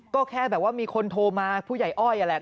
ก็แค่แบบว่ามีคนโทรมาผู้ใหญ่อ้อยนั่นแหละ